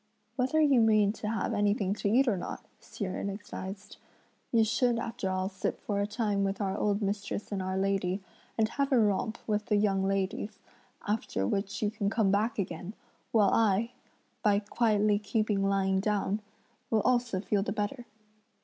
"Whether you mean to have anything to eat or not," Hsi Jen advised, "you should after all sit for a time with our old mistress and our lady, and have a romp with the young ladies; after which you can come back again; while I, by quietly keeping lying down, will also feel the better."